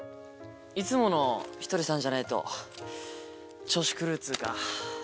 いつものひとりさんじゃないと調子狂うっつうか。